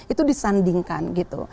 itu disandingkan gitu